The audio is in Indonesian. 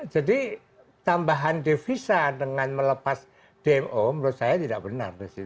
jadi tambahan devisa dengan melepas dmo menurut saya tidak benar di situ